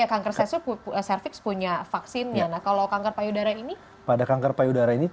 payudara ini pada kanker payudara ini